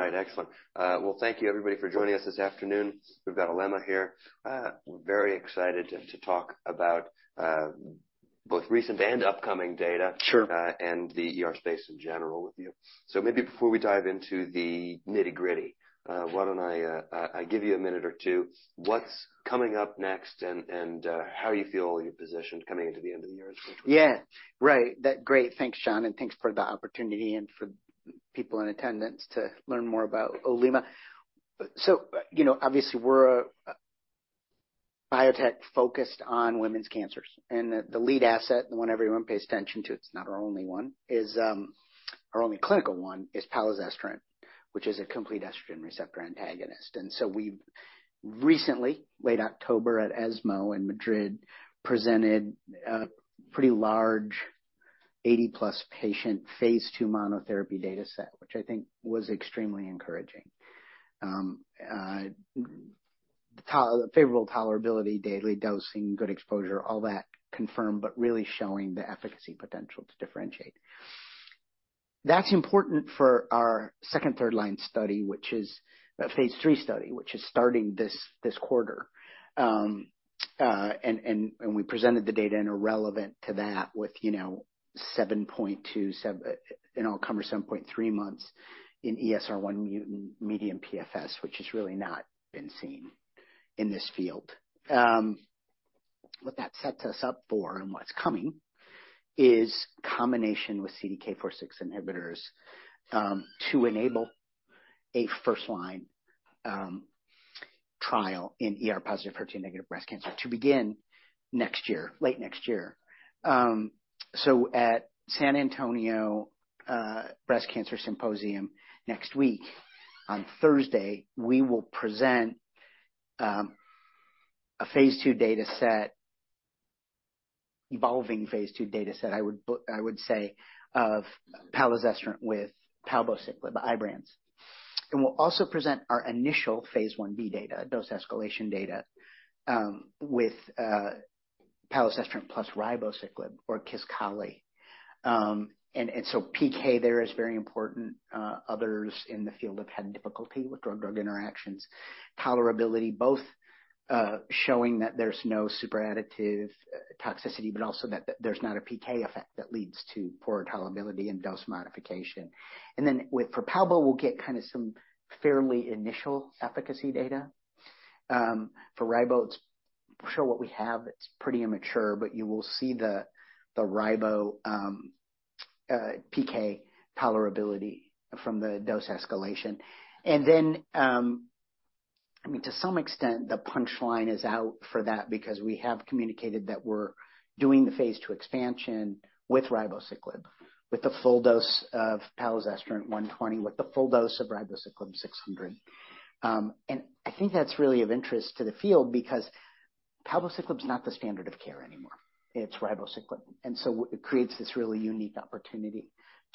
All right, excellent. Well, thank you, everybody, for joining us this afternoon. We've got Olema here. We're very excited to talk about both recent and upcoming data- Sure. and the ER space in general with you. So maybe before we dive into the nitty-gritty, why don't I give you a minute or two? What's coming up next, and how you feel you're positioned coming into the end of the year as well? Yeah. Right. That. Great. Thanks, Sean, and thanks for the opportunity and for people in attendance to learn more about Olema. So, you know, obviously, we're a biotech focused on women's cancers, and the lead asset, the one everyone pays attention to, it's not our only one, is our only clinical one is palazestrant, which is a complete estrogen receptor antagonist. And so we've recently, late October, at ESMO in Madrid, presented a pretty large 80-plus patient phase 2 monotherapy data set, which I think was extremely encouraging. Favorable tolerability, daily dosing, good exposure, all that confirmed, but really showing the efficacy potential to differentiate. That's important for our second/third line study, which is a phase 3 study, which is starting this quarter. we presented the data, and relevant to that, with, you know, 7.2, you know, 7.3 months in ESR1 mutant median PFS, which has really not been seen in this field. What that sets us up for and what's coming is combination with CDK4/6 inhibitors, to enable a first-line, trial in ER-positive, HER2-negative breast cancer to begin next year, late next year. So at San Antonio Breast Cancer Symposium next week, on Thursday, we will present a phase 2 data set, evolving phase 2 data set, I would say, of palazestrant with palbociclib, Ibrance. And we'll also present our initial phase 1b data, dose escalation data, with palazestrant plus ribociclib or Kisqali. So PK there is very important. Others in the field have had difficulty with drug-drug interactions, tolerability, both showing that there's no super additive toxicity, but also that there's not a PK effect that leads to poor tolerability and dose modification. And then with, for palbo, we'll get kind of some fairly initial efficacy data. For ribo, it's sure what we have, it's pretty immature, but you will see the ribo PK tolerability from the dose escalation. And then, I mean, to some extent, the punchline is out for that because we have communicated that we're doing the phase 2 expansion with ribociclib, with the full dose of palazestrant 120, with the full dose of ribociclib 600. And I think that's really of interest to the field because palbociclib is not the standard of care anymore. It's ribociclib, and so it creates this really unique opportunity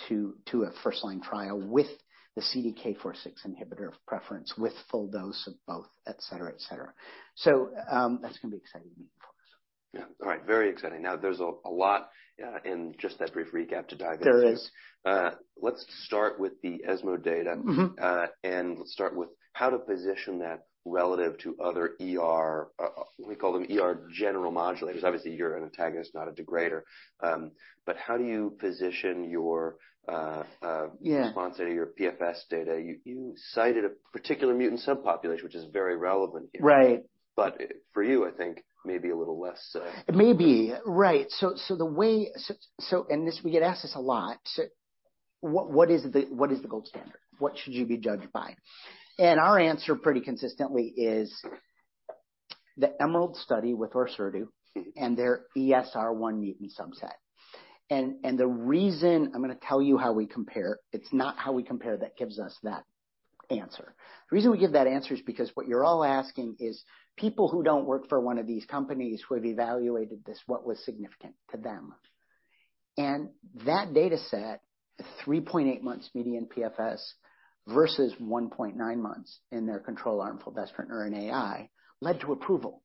to, to a first-line trial with the CDK4/6 inhibitor of preference, with full dose of both, et cetera, et cetera. So, that's going to be exciting for us. Yeah. All right. Very exciting. Now, there's a lot in just that brief recap to dive into. There is. Let's start with the ESMO data. Mm-hmm. And let's start with how to position that relative to other ER, we call them ER general modulators. Obviously, you're an antagonist, not a degrader. But how do you position your Yeah Response data, your PFS data? You, you cited a particular mutant subpopulation, which is very relevant here. Right. But for you, I think maybe a little less, Maybe. Right. So the way and this, we get asked this a lot. So what is the gold standard? What should you be judged by? And our answer, pretty consistently, is the EMERALD study with Orserdu and their ESR1 mutant subset. And the reason I'm going to tell you how we compare, it's not how we compare that gives us that answer. The reason we give that answer is because what you're all asking is: people who don't work for one of these companies who have evaluated this, what was significant to them? And that data set, 3.8 months median PFS versus 1.9 months in their control arm fulvestrant or an AI, led to approval,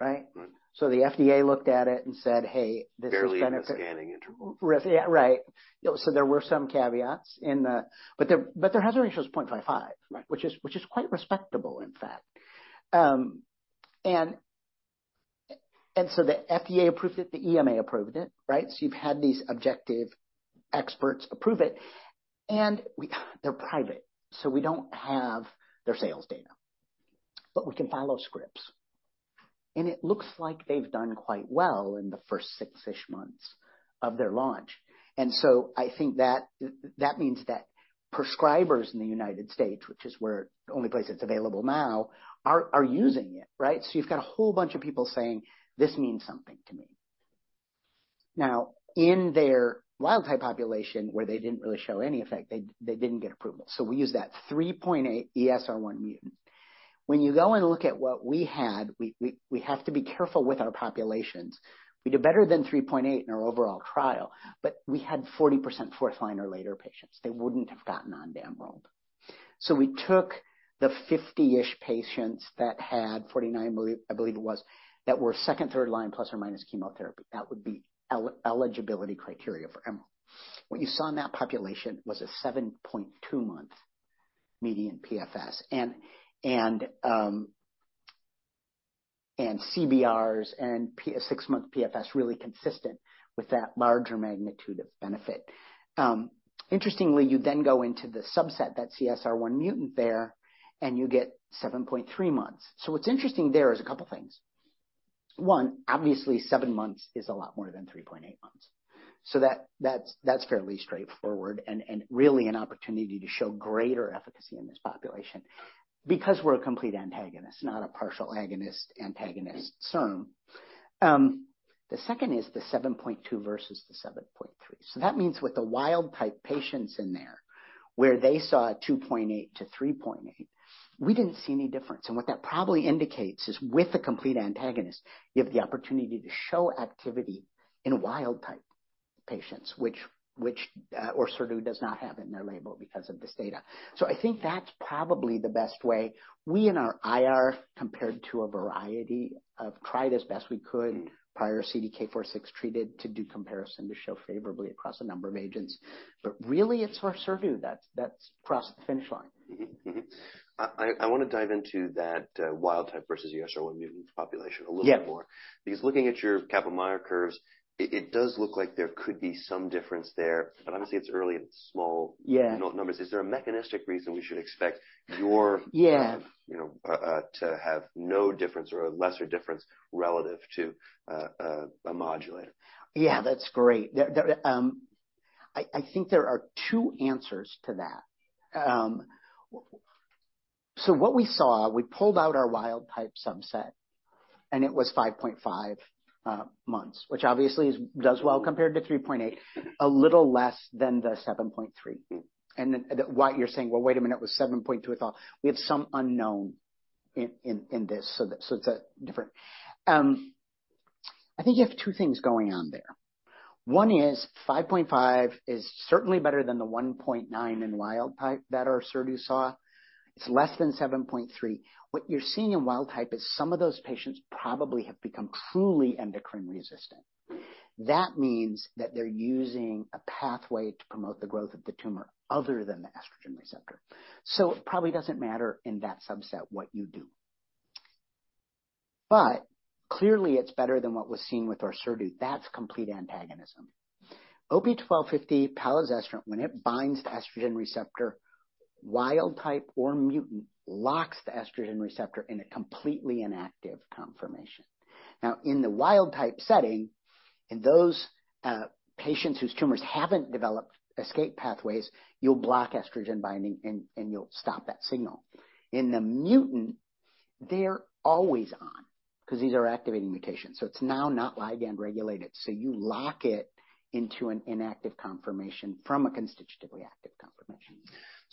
right? Right. The FDA looked at it and said, "Hey, this is benefit- Barely a scanning interval. Yeah, right. So there were some caveats in the... But their hazard ratio is 0.55. Right. Which is quite respectable, in fact. And so the FDA approved it, the EMA approved it, right? So you've had these objective experts approve it, and. They're private, so we don't have their sales data, but we can follow scripts. And it looks like they've done quite well in the first 6-ish months of their launch, and so I think that means that prescribers in the United States, which is where the only place it's available now, are using it, right? So you've got a whole bunch of people saying, "This means something to me." Now, in their wild type population, where they didn't really show any effect, they didn't get approval. So we use that 3.8 ESR1 mutant. When you go and look at what we had, we have to be careful with our populations. We do better than 3.8 in our overall trial, but we had 40% fourth-line or later patients. They wouldn't have gotten on to EMERALD. So we took the 50-ish patients that had, 49, I believe it was, that were second-, third-line, ± chemotherapy. That would be eligibility criteria for EMERALD. What you saw in that population was a 7.2-month median PFS. And CBRs and a six-month PFS really consistent with that larger magnitude of benefit. Interestingly, you then go into the subset, that ESR1 mutant there, and you get 7.3 months. So what's interesting there is a couple things. One, obviously 7 months is a lot more than 3.8 months, so that's fairly straightforward and really an opportunity to show greater efficacy in this population because we're a complete antagonist, not a partial agonist-antagonist SERM. The second is the 7.2 versus the 7.3. So that means with the wild type patients in there, where they saw a 2.8-3.8, we didn't see any difference. And what that probably indicates is, with a complete antagonist, you have the opportunity to show activity in wild type patients, which ORSERDU does not have in their label because of this data. So I think that's probably the best way. We, in our IR, compared to a variety of... Tried as best we could, prior CDK4/6 treated, to do comparison to show favorably across a number of agents. But really, it's ORS ERDU that's crossed the finish line. Mm-hmm. Mm-hmm. I, I wanna dive into that, wild type versus ESR1 mutant population a little bit more. Yeah. Because looking at your Kaplan-Meier curves, it does look like there could be some difference there, but obviously it's early and small- Yeah. -numbers. Is there a mechanistic reason we should expect your, Yeah. You know, to have no difference or a lesser difference relative to a modulator? Yeah, that's great. I think there are two answers to that. So what we saw, we pulled out our wild type subset, and it was 5.5 months, which obviously does well compared to 3.8, a little less than the 7.3. Mm-hmm. You're saying, "Well, wait a minute, it was 7.2, I thought." We have some unknown in this, so it's a different. I think you have two things going on there. One is, 5.5 is certainly better than the 1.9 in wild type that ORSERDU saw. It's less than 7.3. What you're seeing in wild type is some of those patients probably have become truly endocrine resistant. That means that they're using a pathway to promote the growth of the tumor other than the estrogen receptor. So it probably doesn't matter in that subset, what you do. But clearly, it's better than what was seen with ORSERDU. That's complete antagonism. OP-1250 palazestrant, when it binds the estrogen receptor, wild type or mutant, locks the estrogen receptor in a completely inactive conformation. Now, in the wild type setting, in those patients whose tumors haven't developed escape pathways, you'll block estrogen binding, and you'll stop that signal. In the mutant, they're always on because these are activating mutations, so it's now not again regulated. So you lock it into an inactive conformation from a constitutively active conformation.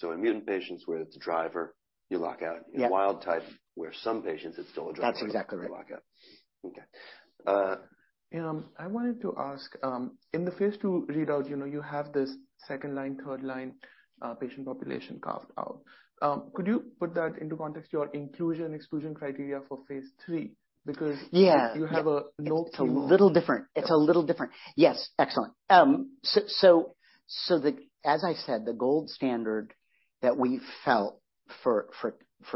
In mutant patients, where it's a driver, you lock out. Yeah. In wild type, where some patients, it's still a driver- That's exactly right. You lock out. Okay. I wanted to ask, in the phase 2 readout, you know, you have this second-line, third-line patient population carved out. Could you put that into context, your inclusion/exclusion criteria for phase 3? Because- Yeah. -you have a no- It's a little different. Yeah. It's a little different. Yes. Excellent. So the, as I said, the gold standard that we felt for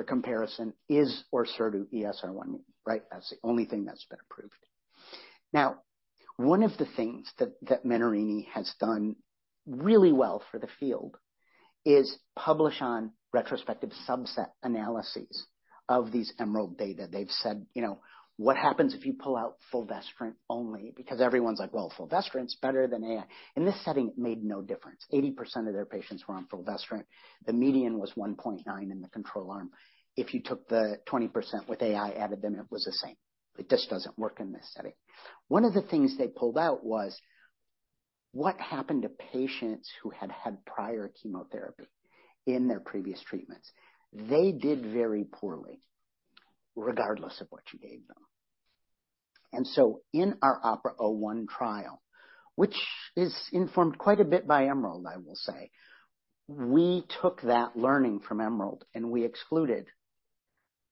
comparison is ORSERDU ESR1, right? That's the only thing that's been approved. Now, one of the things that Menarini has done really well for the field is publish on retrospective subset analyses of these EMERALD data. They've said, you know, "What happens if you pull out fulvestrant only?" Because everyone's like, "Well, fulvestrant is better than AI." In this setting, it made no difference. 80% of their patients were on fulvestrant. The median was 1.9 in the control arm. If you took the 20% with AI, added them, it was the same. It just doesn't work in this setting. One of the things they pulled out was: What happened to patients who had had prior chemotherapy in their previous treatments? They did very poorly, regardless of what you gave them. And so in our OPERA-01 trial, which is informed quite a bit by EMERALD, I will say, we took that learning from EMERALD, and we excluded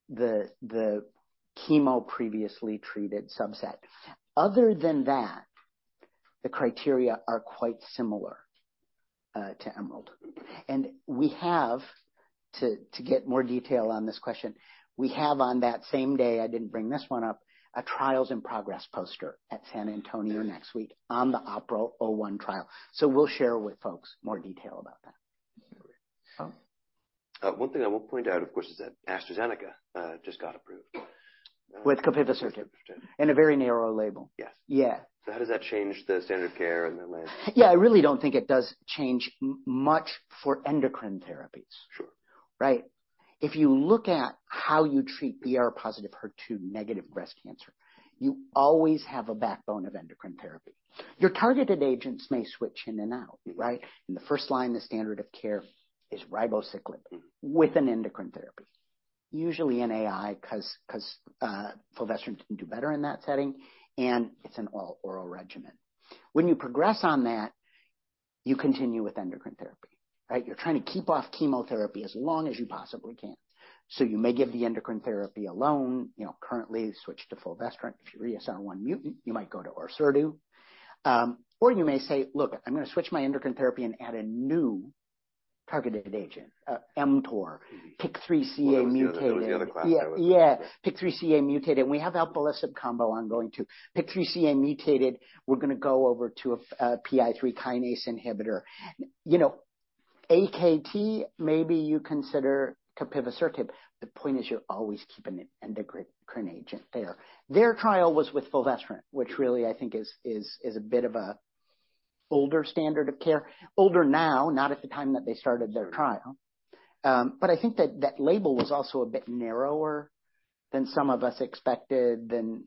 the chemo previously treated subset. Other than that, the criteria are quite similar to EMERALD. And we have to get more detail on this question, we have on that same day, I didn't bring this one up, a Trials-In-Progress poster at San Antonio next week on the OPERA-01 trial. So we'll share with folks more detail about that. Great. Um. One thing I will point out, of course, is that AstraZeneca just got approved. With capivasertib. Capivasertib. In a very narrow label. Yes. Yeah. How does that change the standard of care and the like? Yeah, I really don't think it does change much for endocrine therapies. Sure. Right? If you look at how you treat PR-positive, HER2-negative breast cancer, you always have a backbone of endocrine therapy. Your targeted agents may switch in and out, right? Mm-hmm. In the first line, the standard of care is ribociclib- Mm-hmm. with an endocrine therapy, usually an AI, 'cause fulvestrant can do better in that setting, and it's an all-oral regimen. When you progress on that, you continue with endocrine therapy, right? You're trying to keep off chemotherapy as long as you possibly can. So you may give the endocrine therapy alone, you know, currently switch to fulvestrant. If you're ESR1 mutant, you might go to ORSERDU. Or you may say, "Look, I'm gonna switch my endocrine therapy and add a new targeted agent, mTOR, PIK3CA mutated. That was the other class. Yeah, yeah. PIK3CA mutated, and we have alpelisib combo ongoing, too. PIK3CA mutated, we're gonna go over to a PI3 kinase inhibitor. You know, AKT, maybe you consider capivasertib. The point is, you're always keeping an endocrine agent there. Their trial was with fulvestrant, which really I think is a bit of a older standard of care. Older now, not at the time that they started their trial. But I think that that label was also a bit narrower than some of us expected, than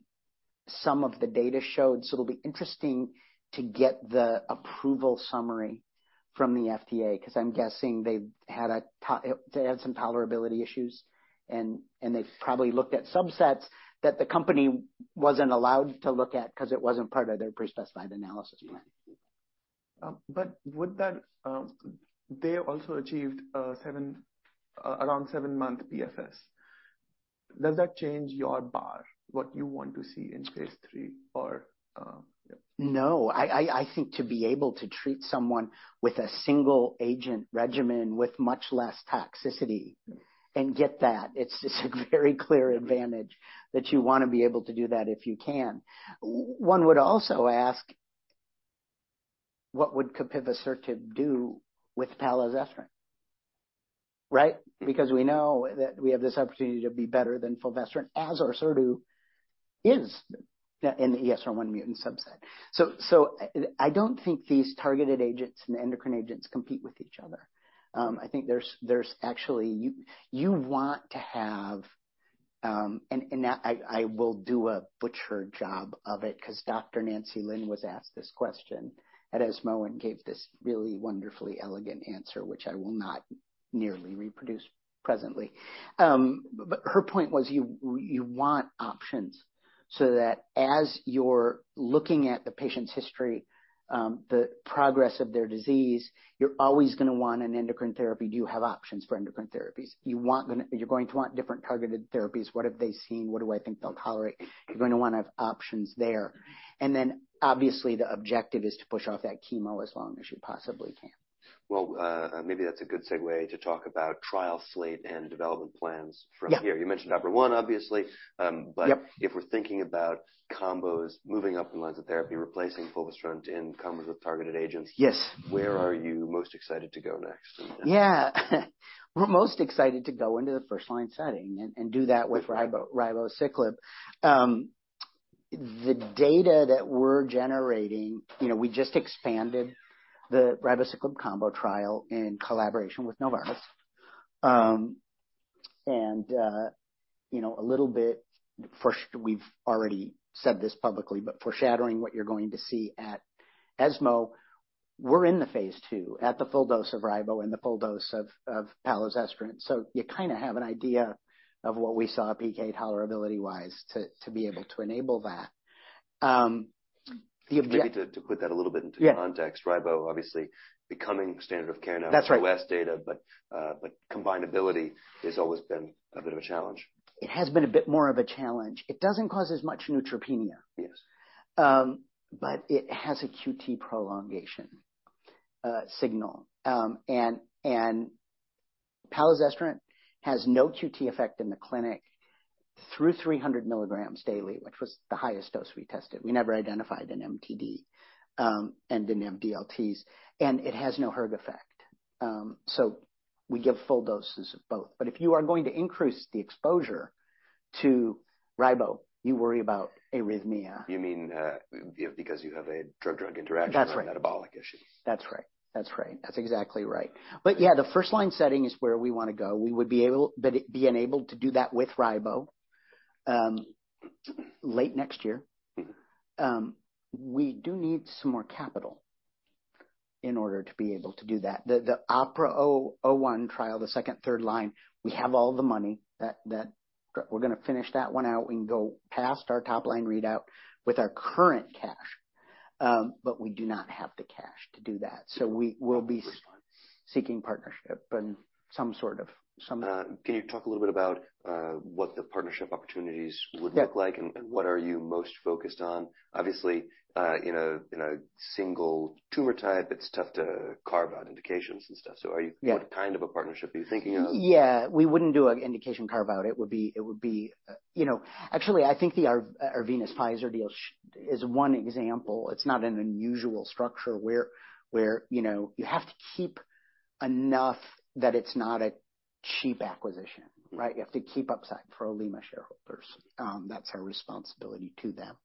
some of the data showed. So it'll be interesting to get the approval summary from the FDA, 'cause I'm guessing they had some tolerability issues, and they probably looked at subsets that the company wasn't allowed to look at, 'cause it wasn't part of their pre-specified analysis plan. But would that... They also achieved seven, around seven-month PFS. Does that change your bar, what you want to see in phase three or, yeah? No, I think to be able to treat someone with a single agent regimen, with much less toxicity and get that, it's just a very clear advantage that you wanna be able to do that if you can. One would also ask: What would capivasertib do with palazestrant? Right? Because we know that we have this opportunity to be better than fulvestrant, as ORSERDU is in the ESR1 mutant subset. So I don't think these targeted agents and endocrine agents compete with each other. I think there's actually... You want to have, and I will do a butcher job of it, 'cause Dr. Nancy Lin was asked this question at ESMO and gave this really wonderfully elegant answer, which I will not nearly reproduce presently. But her point was, you, you want options so that as you're looking at the patient's history, the progress of their disease, you're always gonna want an endocrine therapy. Do you have options for endocrine therapies? You want the-- you're going to want different targeted therapies. What have they seen? What do I think they'll tolerate? You're going to want to have options there. And then, obviously, the objective is to push off that chemo as long as you possibly can. Well, maybe that's a good segue to talk about trial slate and development plans from here. Yeah. You mentioned OPERA-01, obviously. But- Yep. If we're thinking about combos, moving up in lines of therapy, replacing fulvestrant in combos with targeted agents. Yes. Where are you most excited to go next? Yeah. We're most excited to go into the first-line setting and do that with ribo, ribociclib. The data that we're generating, you know, we just expanded the ribociclib combo trial in collaboration with Novartis. And, you know, a little bit... First, we've already said this publicly, but foreshadowing what you're going to see at ESMO, we're in the phase two at the full dose of ribo and the full dose of palazestrant. So you kind of have an idea of what we saw PK tolerability-wise to be able to enable that. The objec- Maybe to put that a little bit into context. Yeah. Ribo obviously becoming standard of care now. That's right. U.S. data, but combinability has always been a bit of a challenge. It has been a bit more of a challenge. It doesn't cause as much neutropenia. Yes. But it has a QT prolongation signal. And palazestrant has no QT effect in the clinic through 300 milligrams daily, which was the highest dose we tested. We never identified an MTD, and no DLTs, and it has no hERG effect. So we give full doses of both. But if you are going to increase the exposure to ribo, you worry about arrhythmia. You mean, because you have a drug-drug interaction- That's right. or a metabolic issue? That's right. That's right. That's exactly right. But yeah, the first-line setting is where we wanna go. We would be enabled to do that with ribo, late next year. Mm-hmm. We do need some more capital in order to be able to do that. The OPERA-01 trial, the second-, third-line, we have all the money. We're gonna finish that one out and go past our top-line readout with our current cash, but we do not have the cash to do that, so we will be seeking partnership and some sort of, Can you talk a little bit about what the partnership opportunities would look like? Yeah. And what are you most focused on? Obviously, in a single tumor type, it's tough to carve out indications and stuff. Yeah. So, what kind of a partnership are you thinking of? Yeah, we wouldn't do an indication carve-out. It would be, it would be... You know, actually, I think the Arvinas Pfizer deal is one example. It's not an unusual structure where, where, you know, you have to keep enough that it's not a cheap acquisition, right? Mm-hmm. You have to keep upside for Olema shareholders. That's our responsibility to them.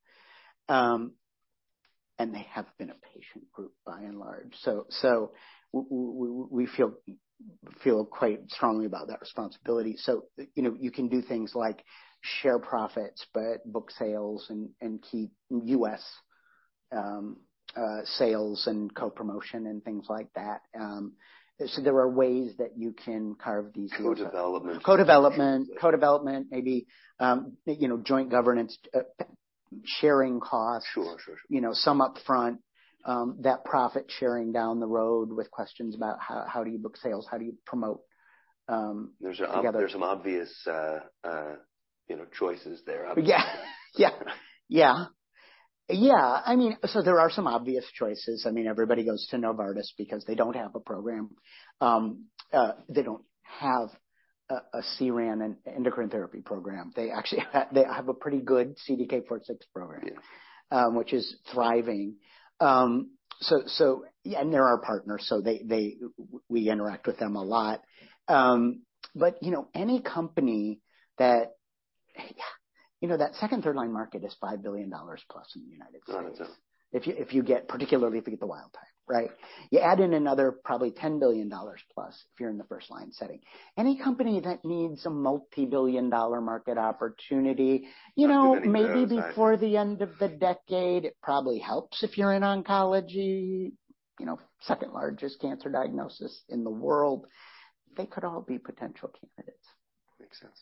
And they have been a patient group, by and large. So we feel quite strongly about that responsibility. So, you know, you can do things like share profits, but book sales and keep U.S. sales and co-promotion and things like that. So there are ways that you can carve these sorts of- Co-development. Co-development. Co-development, maybe, you know, joint governance, sharing costs. Sure, sure, sure. You know, some upfront, that profit sharing down the road with questions about how do you book sales? How do you promote together? There's some obvious, you know, choices there, obviously. Yeah. Yeah. Yeah. Yeah, I mean, so there are some obvious choices. I mean, everybody goes to Novartis because they don't have a program. They don't have a CERAN and endocrine therapy program. They actually have a pretty good CDK 4/6 program- Yeah which is thriving. So, and they're our partners, so we interact with them a lot. But, you know, any company that... Yeah, you know, that second, third line market is $5 billion plus in the United States. Got it, yeah. If you get, particularly if you get the wild type, right? You add in another probably $10 billion plus if you're in the first-line setting. Any company that needs a multi-billion-dollar market opportunity- Many of those, You know, maybe before the end of the decade, it probably helps if you're in oncology, you know, second largest cancer diagnosis in the world. They could all be potential candidates. Makes sense.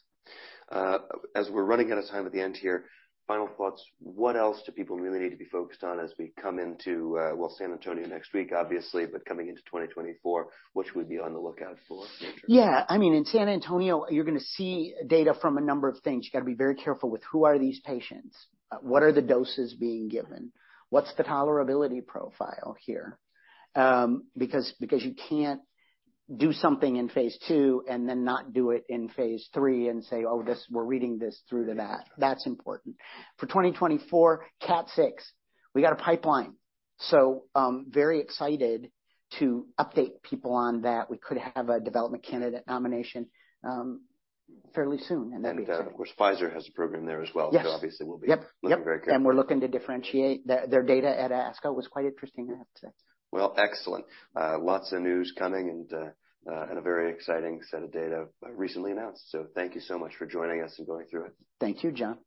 As we're running out of time at the end here, final thoughts, what else do people really need to be focused on as we come into, well, San Antonio next week, obviously, but coming into 2024, what should we be on the lookout for? Yeah. I mean, in San Antonio, you're gonna see data from a number of things. You've got to be very careful with who are these patients? What are the doses being given? What's the tolerability profile here? Because you can't do something in phase 2 and then not do it in phase 3 and say, "Oh, this, we're reading this through to that." That's important. For 2024, KAT6, we got a pipeline, so very excited to update people on that. We could have a development candidate nomination fairly soon, and that'd be- Of course, Pfizer has a program there as well. Yes. Obviously we'll be. Yep, yep... looking very carefully. We're looking to differentiate. Their data at ASCO was quite interesting, I have to say. Well, excellent. Lots of news coming and a very exciting set of data recently announced. So thank you so much for joining us and going through it. Thank you, John.